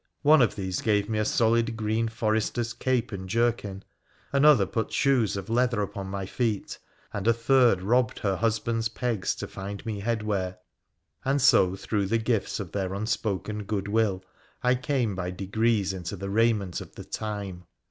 One of these gave me a solid green forester's cape and jerkin ; another put shoes of leather upon my feet ; and a third robbed her husband's pegs to find me headwear, and so through the gifts of their unspoken good will I came by degrees into the raiment of the time.